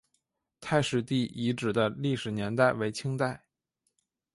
太史第遗址的历史年代为清代。